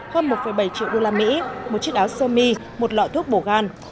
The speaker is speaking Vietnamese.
hơn một bảy triệu usd một chiếc áo sơ mi một lọ thuốc bổ gan